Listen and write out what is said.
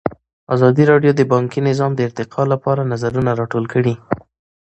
ازادي راډیو د بانکي نظام د ارتقا لپاره نظرونه راټول کړي.